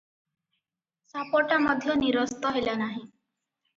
ସାପଟା ମଧ୍ୟ ନିରସ୍ତ ହେଲା ନାହିଁ ।